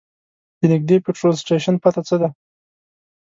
د نږدې پټرول سټیشن پته څه ده؟